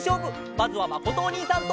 まずはまことおにいさんと。